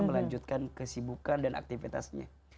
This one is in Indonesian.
melanjutkan kesibukan dan aktivitasnya